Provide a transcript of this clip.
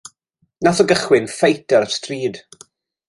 Nath o gychwyn ffeit ar y stryd.